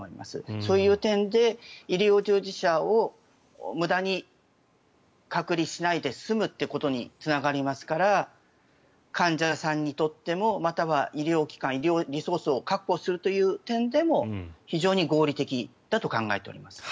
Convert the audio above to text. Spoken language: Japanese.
そういう点で、医療従事者を無駄に隔離しないで済むということにつながりますから患者さんにとってもまたは医療機関、医療リソースを確保するという点でも非常に合理的だと考えております。